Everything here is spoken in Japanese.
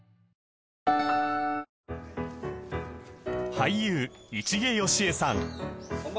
俳優市毛良枝さん